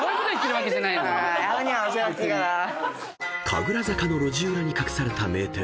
［神楽坂の路地裏に隠された名店］